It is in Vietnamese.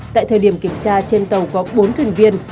tại thời điểm kiểm tra trên tàu có bốn thuyền viên